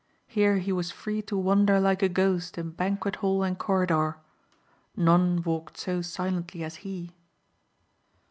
Here he was free to wander like a ghost in banquet hall and corridor. None walked so silently as he.